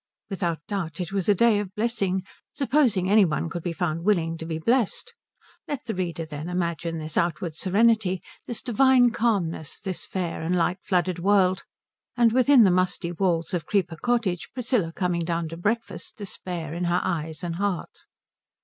Without doubt it was a day of blessing, supposing any one could be found willing to be blest. Let the reader, then, imagine this outward serenity, this divine calmness, this fair and light flooded world, and within the musty walls of Creeper Cottage Priscilla coming down to breakfast, despair in her eyes and heart.